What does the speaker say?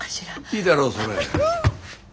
いいだろうそれ。